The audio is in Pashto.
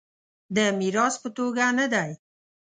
د میراث په توګه نه دی.